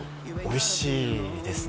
おいしいですね